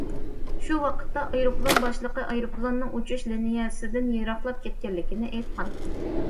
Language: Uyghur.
شۇ ۋاقىتتا ئايروپىلان باشلىقى ئايروپىلاننىڭ ئۇچۇش لىنىيەسىدىن يىراقلاپ كەتكەنلىكىنى ئېيتقان.